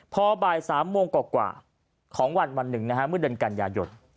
พอบ่าย๓โมงกว่าของวันวันหนึ่งเมื่อเดือนกันยายน